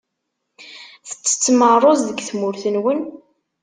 Tettettem rruẓ deg tmurt-nwen?